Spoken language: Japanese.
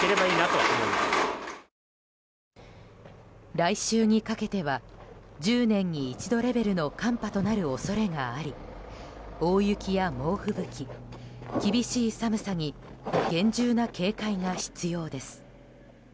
来週にかけては１０年に一度レベルの寒波となる恐れがあり大雪や猛吹雪、厳しい寒さに厳重な警戒が必要です。